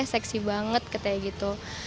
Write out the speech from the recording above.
seksi banget katanya gitu